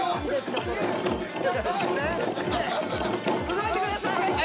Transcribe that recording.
・動いてください早く！